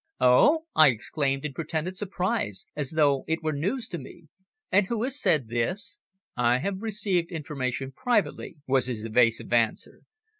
"Oh!" I exclaimed in pretended surprise as though it were news to me. "And who has said this?" "I have received information privately," was his evasive answer.